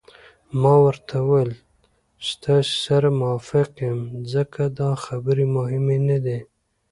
ما ورته وویل: ستاسي سره موافق یم، ځکه دا خبرې مهمې نه دي.